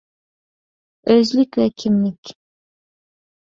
ئۆزلۈك ۋە كىملىك